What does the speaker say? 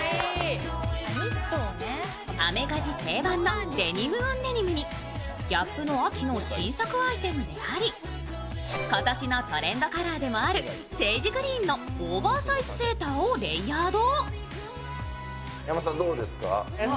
アメカジ定番のデニム・オン・デニムに、ＧＡＰの秋の新作アイテムであり今年のトレンドカラーでもあるセージグリーンのオーバーサイズセーターをレイヤード。